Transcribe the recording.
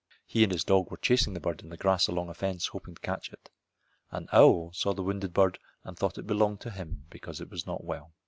He and his dog were chasing the bird in the grass along a fence hoping to catch it. An owl saw the wounded bird and thought it belonged to him because it was not well.